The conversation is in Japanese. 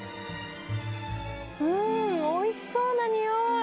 うーん、おいしそうな匂い。